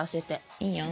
いいよん。